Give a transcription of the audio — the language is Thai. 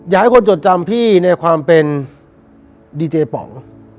อยากให้คนจดจำพี่ในความเป็นดีเจป๋อง